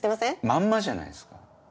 まんまじゃないっすか。